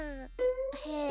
へえ。